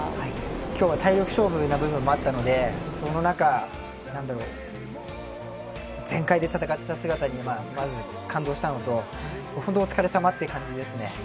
きょうは体力勝負な部分もあったので、その中、全開で戦った姿にまず感動したのと、本当、お疲れさまって感じですね。